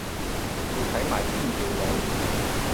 要睇埋邊條路